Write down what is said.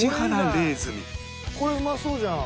これうまそうじゃん。